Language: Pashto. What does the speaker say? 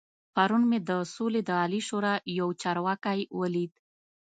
پرون مې د سولې د عالي شورا يو چارواکی ولید.